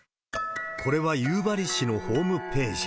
これは夕張市のホームページ。